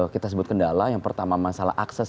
kita sebut kendala yang pertama masalah akses